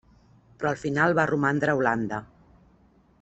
Però al final va romandre a Holanda.